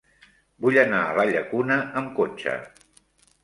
Vull anar a la Llacuna amb cotxe.